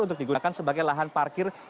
untuk digunakan sebagai lahan parkir